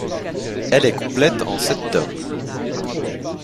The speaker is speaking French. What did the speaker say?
Elle est complète en sept tomes.